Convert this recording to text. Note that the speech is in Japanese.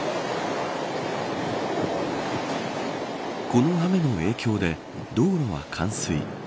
この雨の影響で道路は冠水。